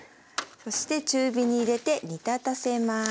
そして中火に入れて煮立たせます。